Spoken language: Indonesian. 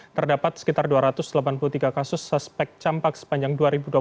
terdapat sekitar dua ratus delapan puluh tiga kasus suspek campak sepanjang dua ribu dua puluh satu